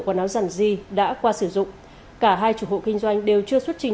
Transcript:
quần áo giản di đã qua sử dụng cả hai chủ hộ kinh doanh đều chưa xuất trình